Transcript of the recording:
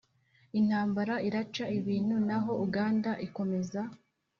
intambara iraca ibintu, naho uganda ikomeza